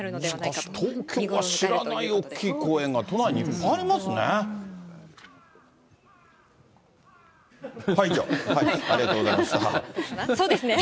しかし東京は、知らない大きい公園が都内にいっぱいありますね。